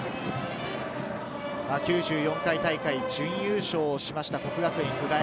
９４回大会準優勝しました、國學院久我山。